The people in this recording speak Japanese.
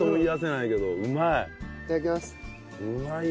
いただきます。